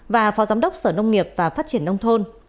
và phó giám đốc sở nông nghiệp và phát triển nông thôn